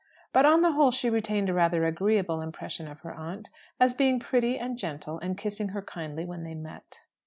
But, on the whole, she retained a rather agreeable impression of her aunt, as being pretty and gentle, and kissing her kindly when they met.